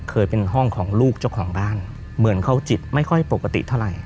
เคยเป็นห้องของลูกเจ้าของบ้านเหมือนเขาจิตไม่ค่อยปกติเท่าไหร่